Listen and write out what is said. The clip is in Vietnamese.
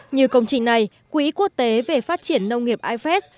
như công trình này quỹ quốc tế về phát triển nông nghiệp ifes